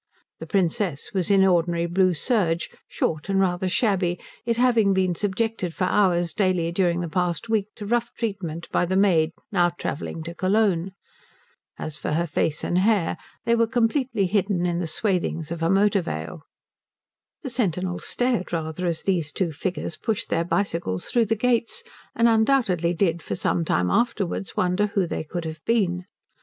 The Princess was in ordinary blue serge, short and rather shabby, it having been subjected for hours daily during the past week to rough treatment by the maid now travelling to Cologne. As for her face and hair, they were completely hidden in the swathings of a motor veil. The sentinels stared rather as these two figures pushed their bicycles through the gates, and undoubtedly did for some time afterwards wonder who they could have been.